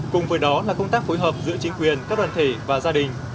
cùng với đó là công tác phối hợp giữa chính quyền các đoàn thể và gia đình